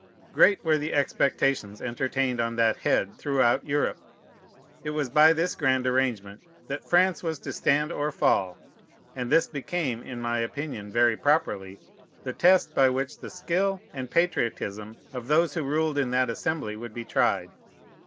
Great were the expectations entertained on that head throughout Europe. It was by this grand arrangement that France was to stand or fall; and this became, in my opinion very properly, the test by which the skill and patriotism of those who ruled in that Assembly would be tried.